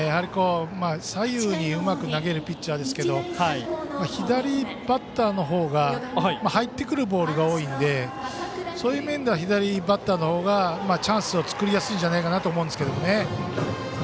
左右にうまく投げるピッチャーですけど左バッターのほうが入ってくるボールが多いのでそういう面で左バッターのほうがチャンスを作りやすいと思います。